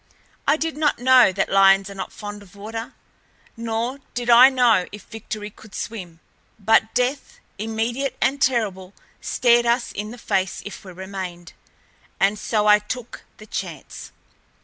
I did not know that lions are not fond of water, nor did I know if Victory could swim, but death, immediate and terrible, stared us in the face if we remained, and so I took the chance.